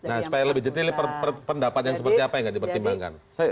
nah supaya lebih jernih pendapat yang seperti apa yang gak dipertimbangkan